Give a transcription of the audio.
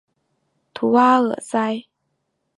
图阿尔塞。